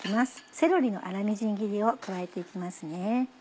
セロリの粗みじん切りを加えて行きますね。